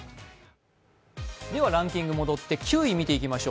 ランキングに戻って９位を見ていきましょう。